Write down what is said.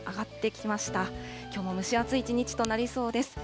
きょうも蒸し暑い一日となりそうです。